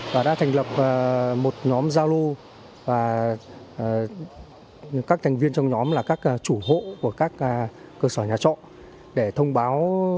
và đã thành lập một nhóm giao lưu và các thành viên trong nhóm là các chủ hộ của các cơ sở nhà trọ để thông báo